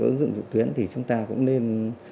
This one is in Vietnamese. ứng dụng trực tuyến thì chúng ta cũng nên